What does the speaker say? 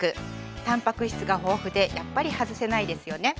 たんぱく質が豊富でやっぱり外せないですよね。